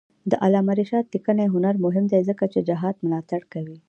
د علامه رشاد لیکنی هنر مهم دی ځکه چې جهاد ملاتړ کوي.